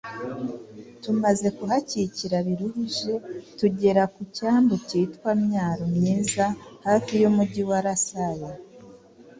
Tumaze kuhakikira bituruhije, tugera ku cyambu cyitwa Myaro-myiza hafi y’umugi wa Lasaya.”